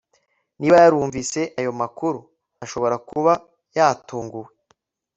niba yarumvise ayo makuru, ashobora kuba yatunguwe